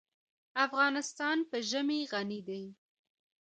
افغانستان په ژمی غني دی.